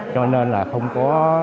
cho nên là không có